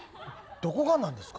どこがなんですか？